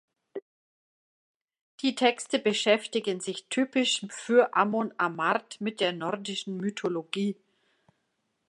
Die Texte beschäftigen sich typisch für Amon Amarth mit der nordischen Mythologie.